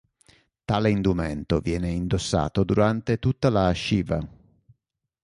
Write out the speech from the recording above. Tale indumento viene indossato durante tutta la "shiva".